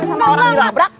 sama orang irabrak